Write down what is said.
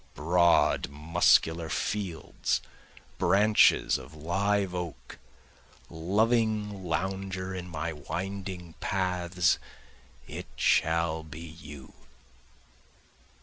Broad muscular fields, branches of live oak, loving lounger in my winding paths, it shall be you!